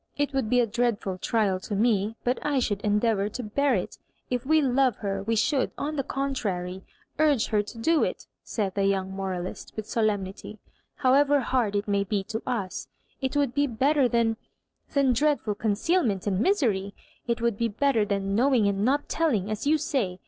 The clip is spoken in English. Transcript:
It ^voold be a dreadful trial to me, but I should endeavour to bear it If we love her, we should, on the contrary, urge her to do it," said the young moralist, with solemnity, "however hard it maybe to us It would be better than — than dreadful concealment and misery, — it would be better than knowing and not telling, as you say.